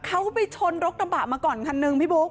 เขาไปชนรถกระบะมาก่อนคันนึงพี่บุ๊ค